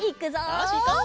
よしいこう！